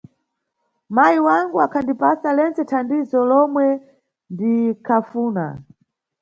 Mayi wangu akhandipasa lentse thandizo lomwe ndikhafuna